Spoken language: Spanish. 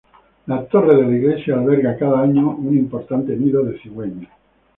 La torre de la iglesia alberga cada año un importante nido de cigüeñas.